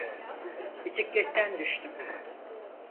Bisikletten düştüm.